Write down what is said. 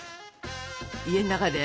家の中で？